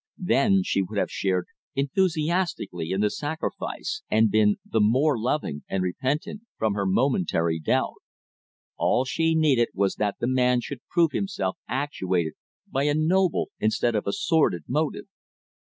Then she would have shared enthusiastically in the sacrifice, and been the more loving and repentant from her momentary doubt. All she needed was that the man should prove himself actuated by a noble, instead of a sordid, motive.